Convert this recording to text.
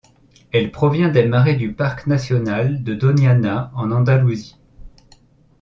Elle provient des marais du parc national de Doñana en Andalousie.